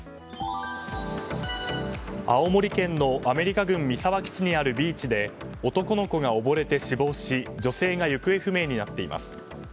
青森県のアメリカ軍三沢基地にあるビーチで男の子が溺れて死亡し女性が行方不明になっています。